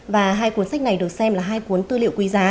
và hai cuốn sách này được xem là hai cuốn tư liệu